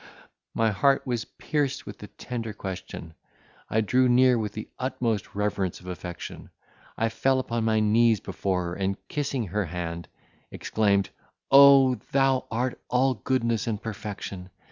My heart was pierced with the tender question. I drew near with the utmost reverence of affection. I fell upon my knees before her, and, kissing her hand, exclaimed, "Oh! thou art all goodness and perfection!